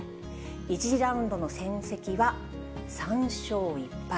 １次ラウンドの戦績は３勝１敗。